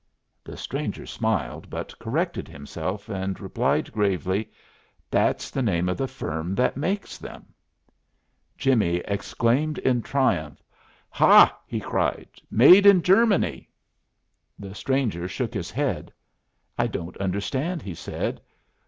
The stranger smiled, but corrected himself, and replied gravely, "That's the name of the firm that makes them." Jimmie exclaimed in triumph. "Hah!" he cried, "made in Germany!" The stranger shook his head. "I don't understand," he said.